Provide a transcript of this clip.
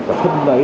cả phần đấy